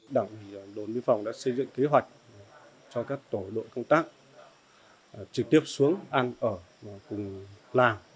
đảng ủy đồn biên phòng đã xây dựng kế hoạch cho các tổ đội công tác trực tiếp xuống ăn ở cùng làng